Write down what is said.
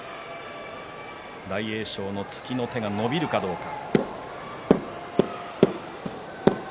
大栄翔の突きの手が伸びるかどうか。